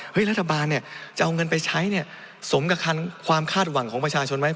รัฐบาลเนี่ยจะเอาเงินไปใช้เนี่ยสมกับคันความคาดหวังของประชาชนไหม